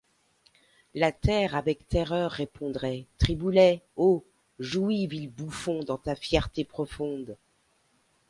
La terre, avec terreur, répondrait: Triboulet! — Oh ! jouis, vil bouffon, dans ta fierté profonde.